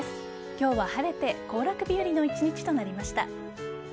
今日は晴れて行楽日和の一日となりました。